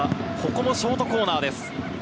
ここもショートコーナーです。